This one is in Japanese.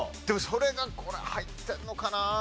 でもそれがこれ入ってるのかな？